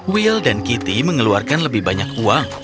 will dan kitty mengeluarkan lebih banyak uang